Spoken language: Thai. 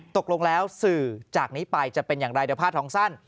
ตกลงแล้วสื่อจากนี้ไปจะเป็นอย่างไรเดี๋ยวผ้าทองสั้น